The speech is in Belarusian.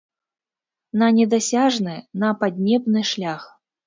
На недасяжны, на паднебны шлях.